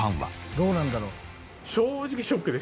どうなんだろう？